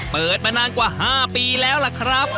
เปิดมานานกว่า๕ปีแล้วล่ะครับ